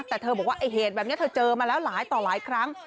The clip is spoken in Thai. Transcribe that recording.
แต่เธอบอกว่าไอ้เหตุแบบนี้เธอเจอมาแล้วหลายต่อหลายครั้ง